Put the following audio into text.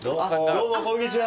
どうもこんにちは。